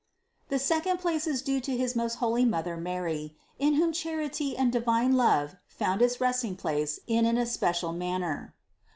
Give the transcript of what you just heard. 522. The second place is due to his most holy Mother Mary, in whom charity and divine love found its resting place in an especial manner.